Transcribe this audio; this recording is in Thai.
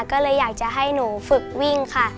ก็เลยอยากจะให้หนูฝึกวิ่งค่ะ